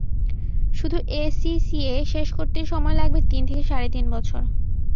শুধু এসিসিএ শেষ করতে সময় লাগবে তিন থেকে সাড়ে তিন বছর।